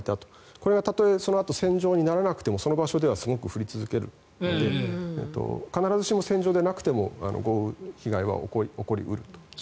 これがたとえ、そのあと線状にならなくてもその場所ではすごく降り続けるので必ずしも線状でなくても豪雨被害は起こりうると。